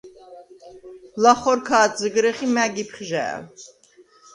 ლახორ ქა̄დზჷგრეხ ი მა̈გ იფხჟა̄̈ლ.